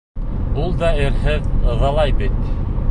Ул да ирһеҙ ыҙалай бит.